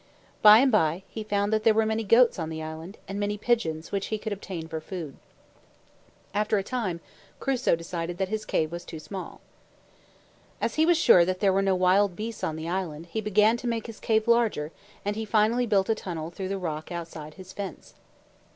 By and by, he found that there were many goats on the island, and many pigeons which he could obtain for food. After a time, Crusoe decided that his cave was too small. As he was sure that there were no wild beasts on the island, he began to make his cave larger, and he finally built a tunnel through the rock outside his fence.